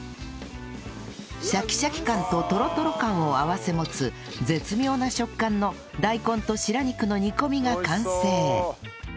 シャキシャキ感とトロトロ感を併せ持つ絶妙な食感の大根と白肉の煮込みが完成